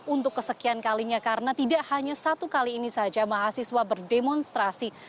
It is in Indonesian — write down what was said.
untuk kesekian kalinya karena tidak hanya satu kali ini saja mahasiswa berdemonstrasi